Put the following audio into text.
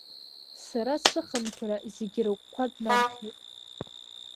Сара сыхынҳәра зегьы рыгәқәа днархьит.